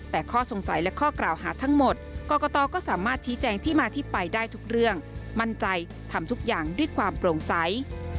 แต่ข้อสงสัยและข้อกล่าวหาทั้งหมดกรกตก็สามารถชี้แจงที่มาที่ไปได้ทุกเรื่องมั่นใจทำทุกอย่างด้วยความโปร่งใส